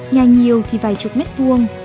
nhà nhiều thì vài chục mét vuông